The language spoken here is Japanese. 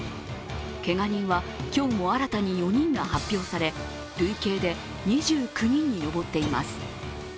けが人は今日も新たに４人が発表され累計で２９人に上っています。